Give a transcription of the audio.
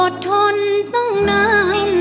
ทนตั้งนาน